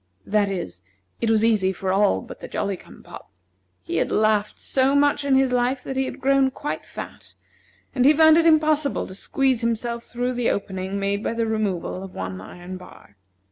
That is, it was easy for all but the Jolly cum pop. He had laughed so much in his life that he had grown quite fat, and he found it impossible to squeeze himself through the opening made by the removal of one iron bar.